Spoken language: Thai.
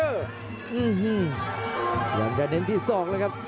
อื้อฮือยังกัดเน้นที่๒แล้วครับ